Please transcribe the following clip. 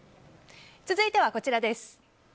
続いてはこちらです。